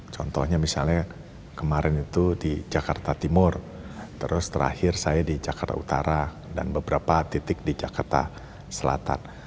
contohnya misalnya kemarin itu di jakarta timur terus terakhir saya di jakarta utara dan beberapa titik di jakarta selatan